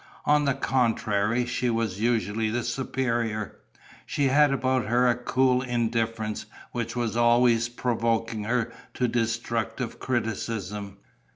On the contrary, she was usually the superior. She had about her a cool indifference which was always provoking her to destructive criticism.